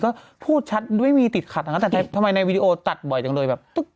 ก็พูดชัดไม่มีติดขัดนะคะแต่ทำไมในวีดีโอตัดบ่อยจังเลยแบบ